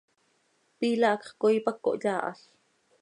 Piila hacx coii pac cohyaahal.